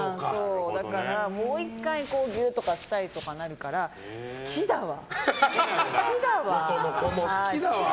だから、もう１回ギュッとかしたいとかなるから好きだわ！